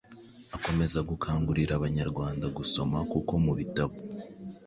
Akomeza akangurira Abanyarwanda gusoma kuko mu bitabo